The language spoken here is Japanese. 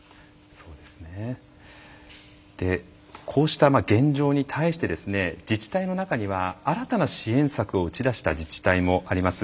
でこうした現状に対して自治体の中には新たな支援策を打ち出した自治体もあります。